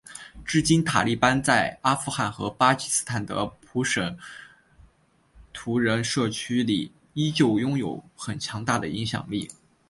至今塔利班在阿富汗和巴基斯坦的普什图人社区里依旧拥有很强大的影响力。